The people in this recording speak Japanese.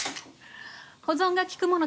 保存が利くもの